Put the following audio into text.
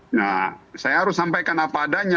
nah saya harus sampaikan apa adanya